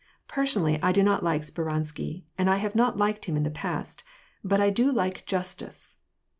" Personally I do not like Speransky, and I have not liked him in the past, but I do Tike justice."